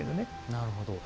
なるほど。